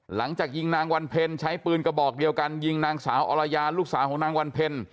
หลังจากยิงนางวันเพ็ญใช้ปืนกระบอกเดียวกันยิงนางสาวอรยาลูกสาวของนางวันเพ็ญ